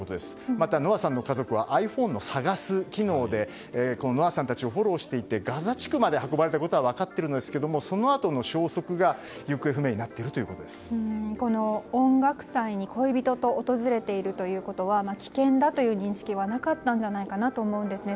またノアさんの家族はｉＰｈｏｎｅを探す機能でノアさんたちをフォローしていていてガザ地区まで運ばれたことは分かってるんですがその後の消息が行方不明にこの音楽祭に恋人と訪れているということは危険だという認識はなかったんじゃないかと思うんですね。